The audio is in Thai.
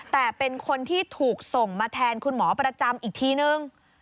แต่เป็นคนที่ถูกส่งมาแทนคุณหมอประจำอีกทีนึง